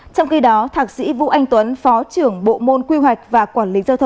trong khi đó thạc sĩ vũ anh tuấn phó trưởng bộ môn quy hoạch và quản lý